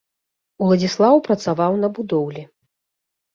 Уладзіслаў працаваў на будоўлі.